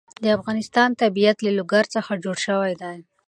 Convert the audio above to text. د افغانستان طبیعت له لوگر څخه جوړ شوی دی.